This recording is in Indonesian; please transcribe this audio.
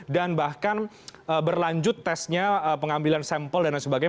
dan bahkan berlanjut tesnya pengambilan sampel dan lain sebagainya